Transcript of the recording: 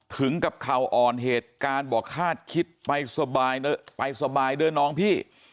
ถึงกับข่าวออนเหตุการณ์บอกฆาตคิดไปสบายเดินน้องพี่